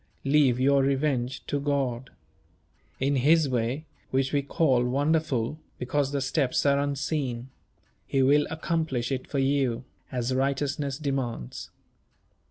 Leave your revenge to God. In His way which we call wonderful, because the steps are unseen He will accomplish it for you, as righteousness demands.